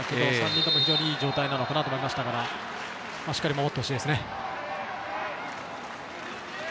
３人とも非常にいい状態かなと思いましたからしっかり守ってほしいですね。